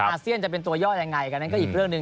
อาเซียนจะเป็นตัวย่ออย่างไรก็อีกเรื่องหนึ่ง